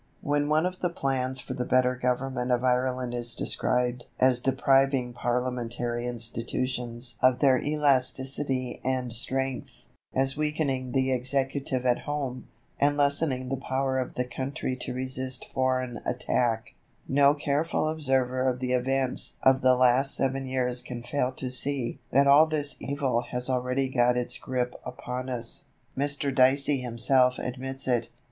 When one of the plans for the better government of Ireland is described as depriving parliamentary institutions of their elasticity and strength, as weakening the Executive at home, and lessening the power of the country to resist foreign attack, no careful observer of the events of the last seven years can fail to see that all this evil has already got its grip upon us. Mr. Dicey himself admits it.